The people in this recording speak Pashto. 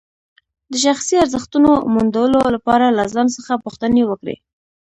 د شخصي ارزښتونو موندلو لپاره له ځان څخه پوښتنې وکړئ.